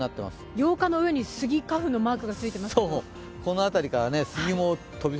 ８日の上にスギ花粉のマークがついていますけども。